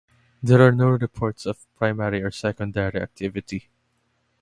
There are no reports of primary or secondary activity.